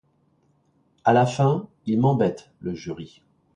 À la fin, il m'embête, le jury.